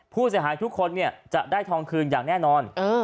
ผู้เสียหายทุกคนจะได้ทองคืนอย่างแน่นอน